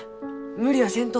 無理はせんと。